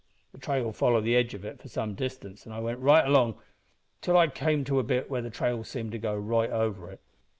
The trail followed the edge of it for some distance, an' I went along all right till I come to a bit where the trail seemed to go right over it.